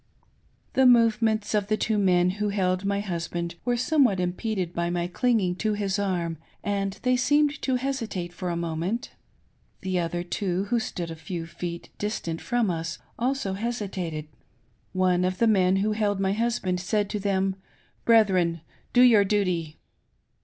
The movements of the two men who held my husband were Somewhat impeded by my clinging to his arm, and they seemed to hesitate for a moment. The other two, who stood a few feet distant from us, also hesitated. One of the men who held my huisband'said to them, "Brethren, do your duty."